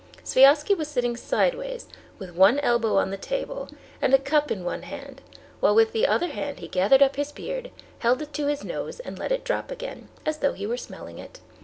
Sviazhsky was sitting sideways, with one elbow on the table, and a cup in one hand, while with the other hand he gathered up his beard, held it to his nose and let it drop again, as though he were smelling it.